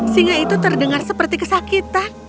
singa itu terdengar seperti kesakitan